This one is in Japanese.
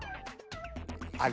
あれ？